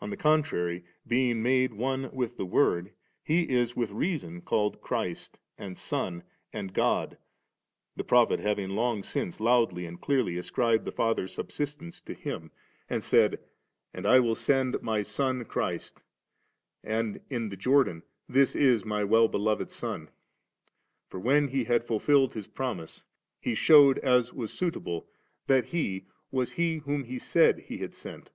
on the con trary, being made one with the Word, He is with reason called Christ and Son of God, tlie prophet having long since loudly and clearly ascribed the Fathers subsistence to Him, and *■ Cor. ▼.4. a John sL 25. Si LuIwLm said, * And I will send My Son Christ V «h1 ia the Jordan, 'This is My Well beloved Sod.' For when He had fulfilled His promise. He shewed, as was suitable, that He was He whom He said He had sent 34.